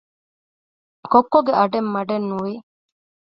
ކޮއްކޮގެ އަޑެއް މަޑެއްނުވި